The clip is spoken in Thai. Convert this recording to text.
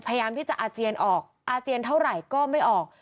พยายามที่จะอาเจียนออกอาเจียนเท่าไหร่ก็ไม่ออก